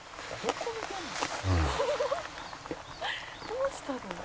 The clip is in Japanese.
「どうしたの？」